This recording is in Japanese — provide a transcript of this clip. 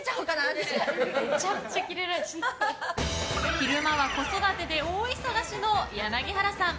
昼間は子育てで大忙しの柳原さん。